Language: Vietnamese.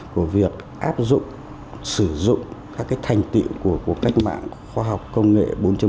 của việc áp dụng sử dụng các cái thành tựu của cách mạng khoa học công nghệ bốn